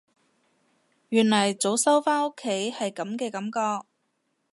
原來早收返屋企係噉嘅感覺